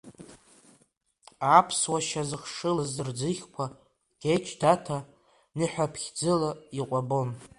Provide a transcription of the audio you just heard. Аԥсуа шьа зыхшылаз рӡыхьқәа, Геч Даҭа ныҳәаԥхьӡыла икәабон.